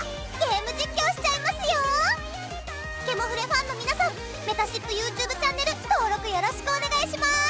ファンの皆さんめたしっぷＹｏｕＴｕｂｅチャンネル登録よろしくお願いします！